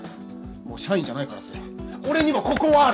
もう社員じゃないからって俺にもここはある。